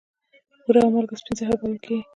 بوره او مالګه سپین زهر بلل کیږي.